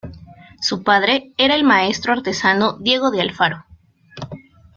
Su padre era el maestro artesano Diego de Alfaro.